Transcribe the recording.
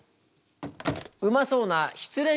うまそうな「失恋」